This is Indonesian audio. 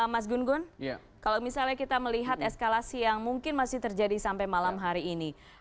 mas gun gun kalau misalnya kita melihat eskalasi yang mungkin masih terjadi sampai malam hari ini